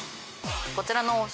こちらの。